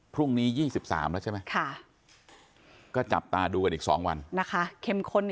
พรุ่งนี้๒๓แล้วใช่ไหมก็จับตาดูกันอีก๒วันนะคะเข้มข้น